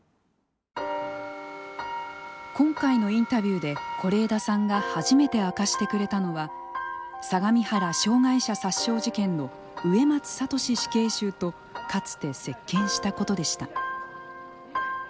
今回のインタビューで是枝さんが初めて明かしてくれたのは相模原障害者殺傷事件の植松聖死刑囚とかつて接見したことでした。